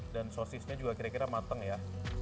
dan sosisnya juga kira kira mateng ya